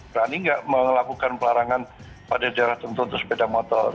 berani nggak melakukan pelarangan pada daerah tertentu untuk sepeda motor